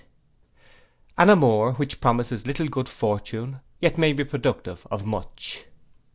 An amour, which promises little good fortune, yet may be productive of much.